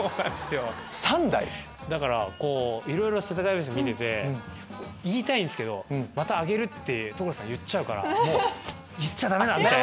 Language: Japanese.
３台⁉だからこういろいろ世田谷ベース見てて言いたいんですけどまた「あげる」って所さん言っちゃうからもう言っちゃダメだみたいな。